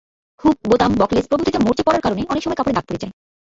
Hook, বোতাম, buckles প্রভৃতিতে মরচে পড়ার কারণে অনেক সময় কাপড়ে দাগ পড়ে যায়।